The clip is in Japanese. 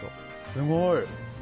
すごい！